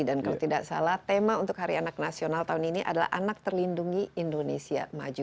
dan kalau tidak salah tema untuk hari anak nasional tahun ini adalah anak terlindungi indonesia maju